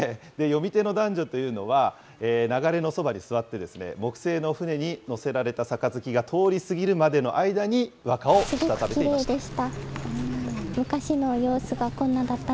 詠み手の男女というのは、流れのそばに座ってですね、木製の舟に載せられた杯が通り過ぎるまでの間に和歌をしたためていました。